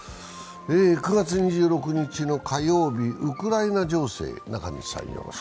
９月１６日の火曜日、ウクライナ情勢。